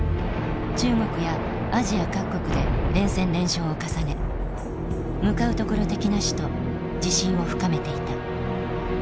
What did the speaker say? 中国やアジア各国で連戦連勝を重ね向かうところ敵なしと自信を深めていた。